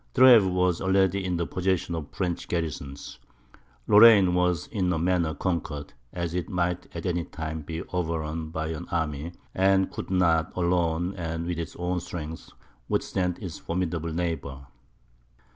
Treves was already in the possession of French garrisons; Lorraine was in a manner conquered, as it might at any time be overrun by an army, and could not, alone, and with its own strength, withstand its formidable neighbour.